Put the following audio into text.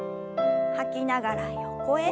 吐きながら横へ。